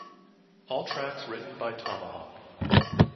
All tracks written by Tomahawk